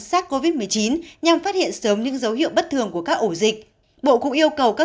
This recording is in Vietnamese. sát covid một mươi chín nhằm phát hiện sớm những dấu hiệu bất thường của các ổ dịch bộ cũng yêu cầu các